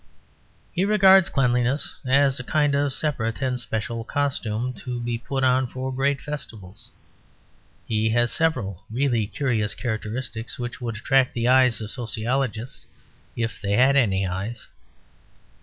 He regards cleanliness as a kind of separate and special costume; to be put on for great festivals. He has several really curious characteristics, which would attract the eyes of sociologists, if they had any eyes.